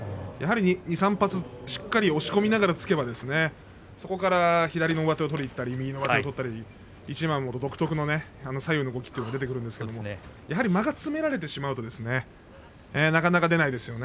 ２、３発しっかり押し込みながら押し込めばそこから左上手を取ったり右の上手を取ったり一山本、独特の左右の動きが出てくるんですけれども、間を詰められてしまうとなかなか出ないですよね